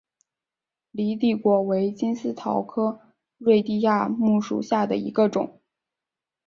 犁地果为金丝桃科瑞地亚木属下的一个种。